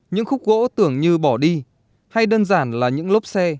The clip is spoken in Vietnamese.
những khúc gỗ tưởng như bỏ đi hay đơn giản là những lốp xe